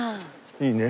いいね。